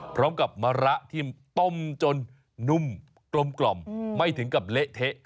มะระที่ต้มจนนุ่มกลมไม่ถึงกับเละเทะ